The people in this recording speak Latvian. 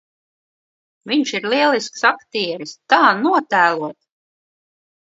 Viņš ir lielisks aktieris! Tā notēlot !